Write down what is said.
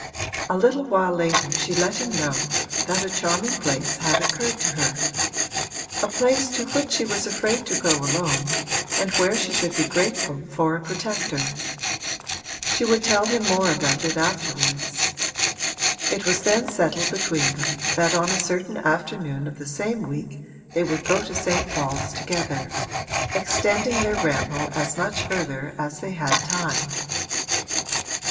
A little while later she let him know that a charming place had occurred to her a place to which she was afraid to go alone and where she should be grateful for a protector: she would tell him more about it afterwards. It was then settled between them that on a certain afternoon of the same week they would go to St. Paul's together, extending their ramble as much further as they had time.